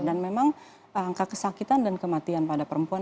dan memang kesakitan dan kematian pada perempuan